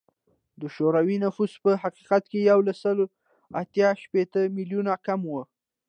د شوروي نفوس په حقیقت کې له یو سل اته شپیته میلیونه کم و